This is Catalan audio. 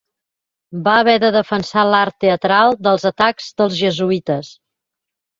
Va haver de defensar l'art teatral dels atacs dels jesuïtes.